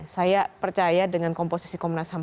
saya percaya dengan komposisi komnas ham